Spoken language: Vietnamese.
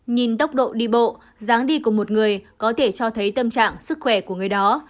nhìn tốc độ đi bộ dáng đi của một người có thể cho thấy tâm trạng sức khỏe của người đó